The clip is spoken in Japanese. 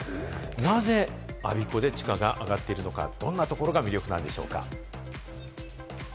なぜ我孫子で地価が上がっているのか、どんなところが魅力なんでしょうか？